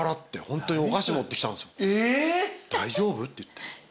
「大丈夫？」って言って。